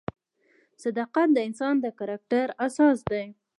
صداقت د انسان د کرکټر اساس دی.